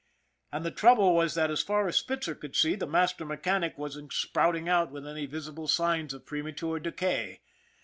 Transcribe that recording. And the trouble was that, as far as Spitzer could see, the master mechanic wasn't sprouting out with any visible signs SPITZER 81 of premature decay.